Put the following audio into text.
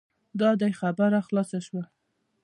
دا دی خبره خلاصه شوه.